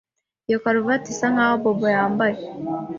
Iyo karuvati isa nkaho Bobo yambaye.